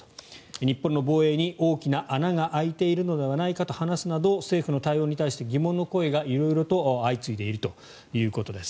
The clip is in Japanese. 日本の防衛に大きな穴が開いているのではないかと話すなど政府の対応に対して疑問の声が色々と相次いでいるということです。